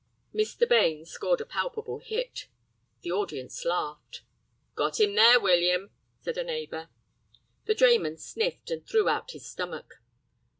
Mr. Bains scored a palpable hit. The audience laughed. "Got 'im there, William," said a neighbor. The drayman sniffed, and threw out his stomach.